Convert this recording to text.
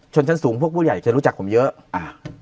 ชั้นสูงพวกผู้ใหญ่จะรู้จักผมเยอะอ่า